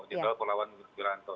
di pulau pulauan wiranto